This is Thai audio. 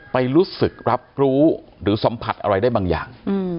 ไปรู้สึกรับรู้หรือสัมผัสอะไรได้บางอย่าง